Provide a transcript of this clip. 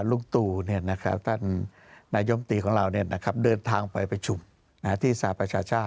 ลุงตู่ท่านนายมติของเราเราเดินทางไปไปจุ่มที่สารประชาชา